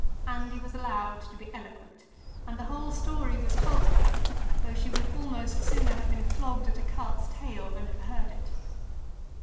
Andy was allowed to be eloquent, and the whole story was told to her, though she would almost sooner have been flogged at a cart's tail than have heard it.